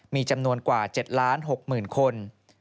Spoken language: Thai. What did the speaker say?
มีจำนวนกว่า๗๖๐๐๐คน